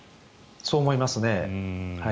そう思いますね。